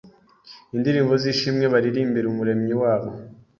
indirimbo z’ishimwe, baririmbira Umuremyi wabo